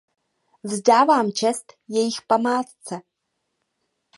Vzdávám čest jejich památce.